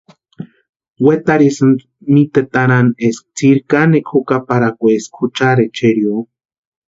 Wetarhesïnti mítetarani eska tsiri kanekwa jukaparhakweska juchari echerio.